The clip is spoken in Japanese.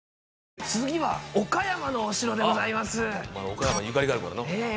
岡山にゆかりがあるからなええ